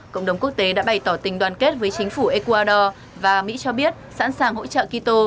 cộng đồng quốc tế đã bày tỏ tình đoàn kết với chính phủ ecuador và mỹ cho biết sẵn sàng hỗ trợ quito